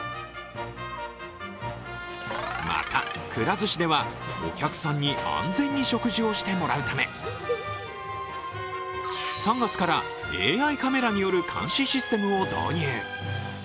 また、くら寿司ではお客さんに安全に食事をしてもらうため、３月からＡＩカメラによる監視システムを導入。